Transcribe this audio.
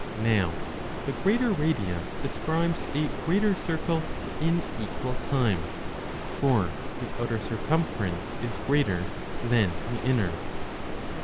Now the greater radius describes a greater circle in equal time ; for the outer circumference is greater than the inner.